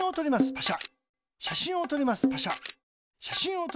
パシャ。